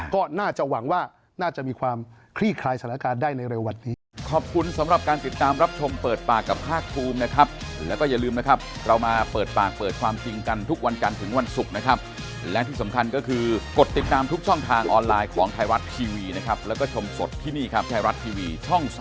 ก็น่าจะหวังว่าน่าจะมีความคลี่คลายสถานการณ์ได้ในเร็ววันนี้